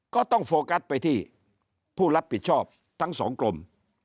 ก็ต้องโฟกัสไปที่ผู้รับผิดชอบทั้งสองกรม